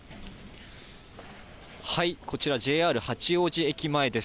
こちら、ＪＲ八王子駅前です。